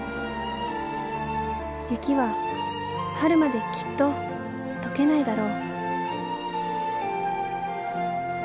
雪は春まできっと解けないだろう